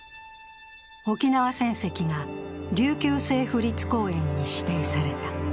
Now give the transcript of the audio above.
沖縄戦跡が琉球政府立公園に指定された。